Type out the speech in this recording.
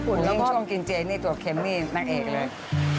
ผมวิ่งช่วงกินเจนี่ถั่วเข้มนี่นั่งเอกเลย